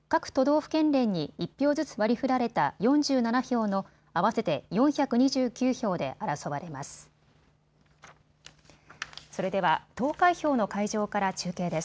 府県連に１票ずつ割りふられた４７票の合わせて４２９票で争われます。